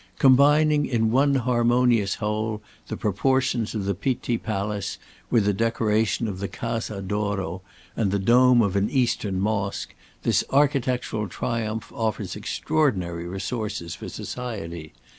Combining in one harmonious whole the proportions of the Pitti Palace with the decoration of the Casa d'Oro and the dome of an Eastern Mosque, this architectural triumph offers extraordinary resources for society.